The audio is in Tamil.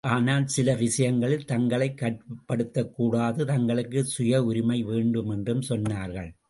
ஆனால், சில விஷயங்களில் தங்களைக் கட்டுப்படுத்தக் கூடாது தங்களுக்குச் சுய உரிமை வேண்டும் என்றும் சொன்னார்கள்.